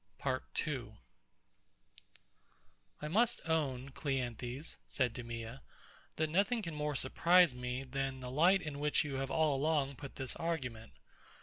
PART 2 I must own, CLEANTHES, said DEMEA, that nothing can more surprise me, than the light in which you have all along put this argument.